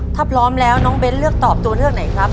ถ้าพร้อมแล้วน้องเบ้นเลือกตอบตัวเลือกไหนครับ